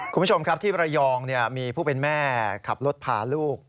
คุณผู้ชมครับที่ระยองมีผู้เป็นแม่ขับรถพาลูก